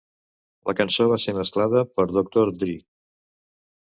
La cançó va ser mesclada per Doctor Dre.